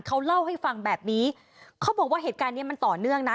เขาเล่าให้ฟังแบบนี้เขาบอกว่าเหตุการณ์เนี้ยมันต่อเนื่องนะ